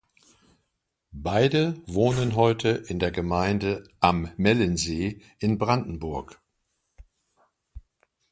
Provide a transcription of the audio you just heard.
Beide wohnen heute in der Gemeinde Am Mellensee in Brandenburg.